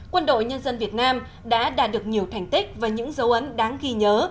quân đội nhân dân việt nam đã đạt được nhiều thành tích và những dấu ấn đáng ghi nhớ